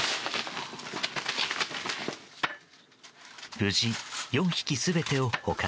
無事４匹全てを捕獲。